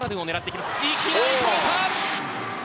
いきなり止めた。